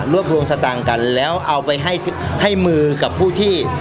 รวมรวมสตางค์กันแล้วเอาไปให้มือกับผู้ที่